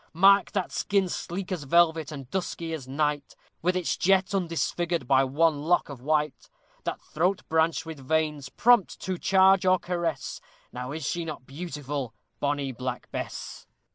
Mark! that skin sleek as velvet, and dusky as night, With its jet undisfigured by one lock of white; That throat branched with veins, prompt to charge or caress Now is she not beautiful? bonny Black Bess!